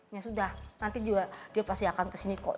nanti dia pasti akan kesini kok